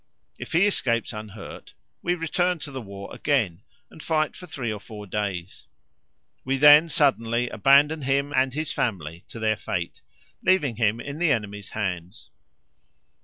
If he escapes unhurt, we return to the war again and fight for three or four days. We then suddenly abandon him and his family to their fate, leaving him in the enemy's hands.